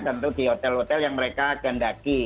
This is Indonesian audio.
tentu di hotel hotel yang mereka gendaki